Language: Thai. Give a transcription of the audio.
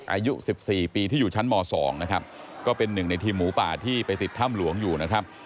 อายุ๑๔ปีที่อยู่ชั้นม๒นะครับก็เป็นหนึ่งในทีมหมูป่าที่ไปติดถ้ำหลวงอยู่นะครับ